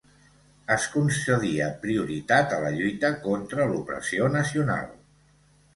Es concedia prioritat a la lluita contra l'opressió nacional.